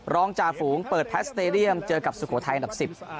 ร้องจาฝูเปิดแททส์สเตเนียมเจอกับสุโคไทยอันดับ๑๐